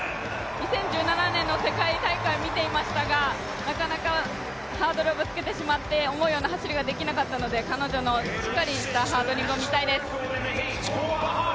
２０１７年の世界大会を見ていましたが、なかなかハードルをぶつけてしまって思うような走りができなかったので、彼女のしっかりとしたハードリングを見たいです。